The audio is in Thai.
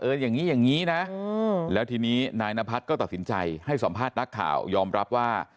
อย่างนี้อย่างนี้นะแล้วทีนี้นายนพัฒน์ก็ตัดสินใจให้สัมภาษณ์นักข่าวยอมรับว่า